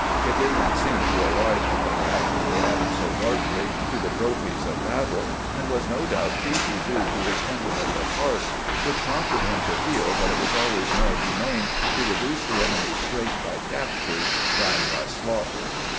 It did not seem to arise from the fact that they added so largely to the trophies of battle, and was no doubt chiefly due to his tenderness of heart, which prompted him to feel that it was always more humane to reduce the enemy's strength by captures than by slaughter.